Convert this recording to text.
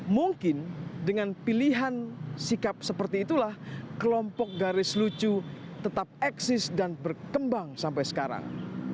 mungkin dengan pilihan sikap seperti itulah kelompok garis lucu tetap eksis dan berkembang sampai sekarang